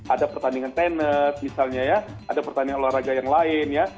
ada pertandingan tenet misalnya ya ada pertandingan olahraga yang lain ya